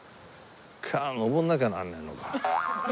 上んなきゃなんねえのか。